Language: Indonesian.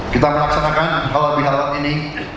kita melaksanakan awal bihalal ini